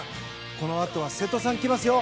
このあとは瀬戸さん、きますよ。